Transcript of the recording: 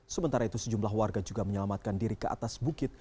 sementara itu sejumlah warga juga menyelamatkan diri ke atas bukit